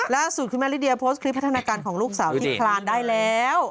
คุณแม่ลิเดียโพสต์คลิปพัฒนาการของลูกสาวที่คลานได้แล้ว